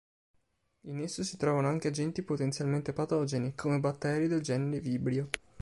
In esso si trovano anche agenti potenzialmente patogeni, come batteri del genere vibrio.